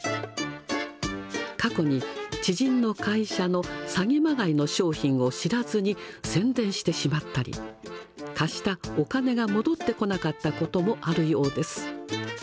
過去に、知人の会社の詐欺まがいの商品を知らずに宣伝してしまったり、貸したお金が戻ってこなかったこともあるようです。